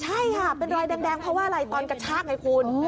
ใช่ค่ะเป็นรอยแดงเพราะว่าอะไรตอนกระชากไงคุณ